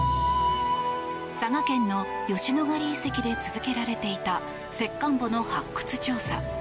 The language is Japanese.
佐賀県の吉野ヶ里遺跡で続けられていた石棺墓の発掘調査。